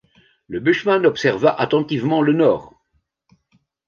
Le bushman observa attentivement le nord.